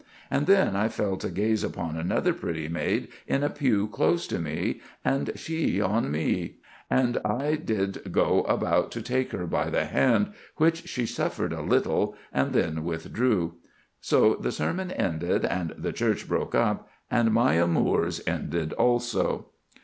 And then I fell to gaze upon another pretty maid in a pew close to me, and she on me; and I did go about to take her by the hand, which she suffered a little, and then withdrew. So the sermon ended, and the church broke up, and my amours ended also."